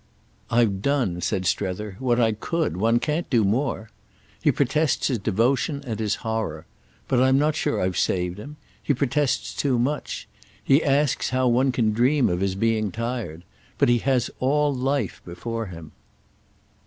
"I've done," said Strether, "what I could—one can't do more. He protests his devotion and his horror. But I'm not sure I've saved him. He protests too much. He asks how one can dream of his being tired. But he has all life before him."